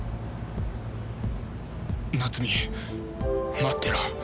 夏美待ってろ